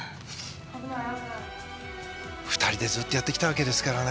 ２人でずっとやってきたわけですからね。